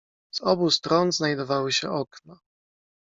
"Z obu stron znajdowały się okna."